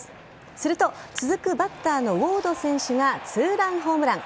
すると続くバッターのウォード選手が２ランホームラン。